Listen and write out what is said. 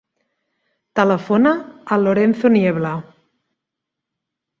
Telefona al Lorenzo Niebla.